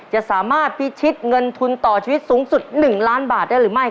จะสามารถพิชิตเงินทุนต่อชีวิตสูงสุด๑ล้านบาทได้หรือไม่